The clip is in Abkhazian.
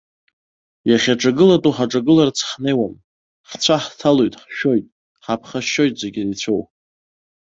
Иахьаҿагылатәу ҳаҿагыларц ҳнеиуам, ҳцәа ҳҭалоит, ҳшәоит, ҳаԥхашьоит, зегьы иреицәоу.